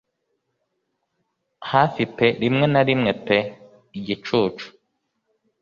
Hafi pe rimwe na rimwe pe Igicucu.